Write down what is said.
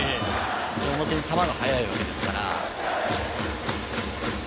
おまけに球が速いわけですから。